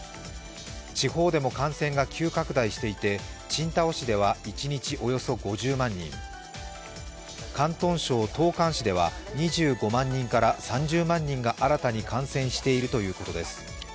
地方でも感染が急拡大していて、青島市では一日およそ５０万人、広東省東莞市では２５万人から３０万人が新たに感染しているということです。